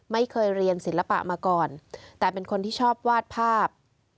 ไม่เคยเรียนศิลปะมาก่อนแต่เป็นคนที่ชอบวาดภาพ